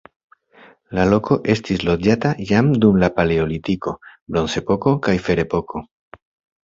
La loko estis loĝata jam dum la paleolitiko, bronzepoko kaj ferepoko.